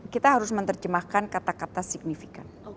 kita harus menerjemahkan kata kata signifikan